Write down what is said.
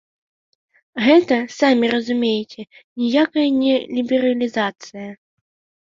Гэта, самі разумееце, ніякая не лібералізацыя.